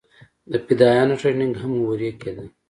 د فدايانو ټرېننگ هم هورې کېده.